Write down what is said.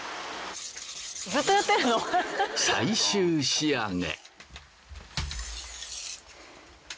最終仕上げ。